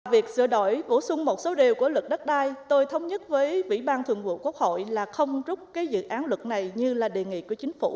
việc sửa đổi bổ sung một số điều của luật đắt đai tôi thống nhất với vĩ ban thượng vụ quốc hội là không rút dự án luật này như là đề nghị của chính phủ